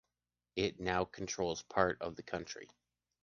It now controls part of the country.